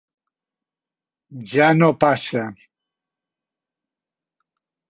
Ja no passa.